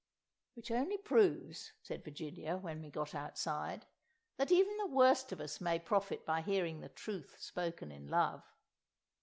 "Which only proves," said Virginia when we got outside, "that even the worst of us may profit by hearing the truth spoken in love!"